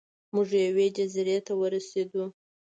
موږ یوې جزیرې ته ورسیدو.